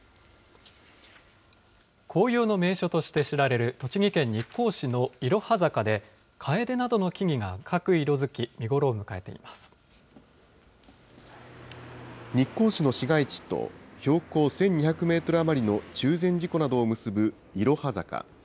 紅葉の名所として知られる栃木県日光市のいろは坂で、カエデなどの木々があかくいろづき、日光市の市街地と、標高１２００メートル余りの中禅寺湖などを結ぶいろは坂。